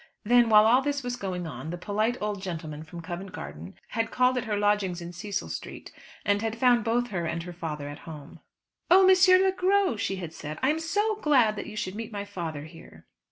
Then while all this was going on, the polite old gentleman from Covent Garden had called at her lodgings in Cecil Street, and had found both her and her father at home. "Oh, M. Le Gros," she had said, "I am so glad that you should meet my father here."